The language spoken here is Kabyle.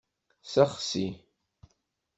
Sexsi.